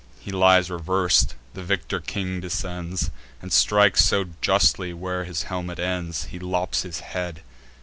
He lies revers'd; the victor king descends, And strikes so justly where his helmet ends, He lops the head.